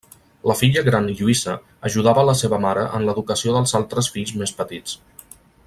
La filla gran Lluïsa, ajudava la seva mare en l'educació dels altres fills més petits.